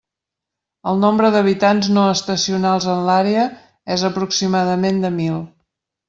El nombre d'habitants no estacionals en l'àrea és aproximadament de mil.